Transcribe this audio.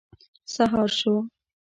سهار شو.